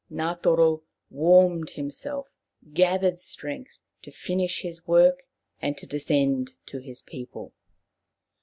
Ngatoro, warming himself, gathered strength to finish his work and descend to his people.